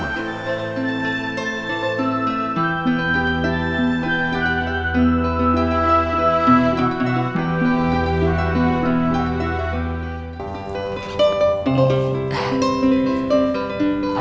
bapak sudah selesai